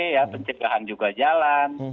ya pencegahan juga jalan